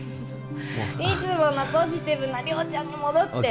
いつものポジティブな亮ちゃんに戻ってＯＫ